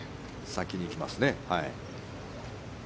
先に行きますね。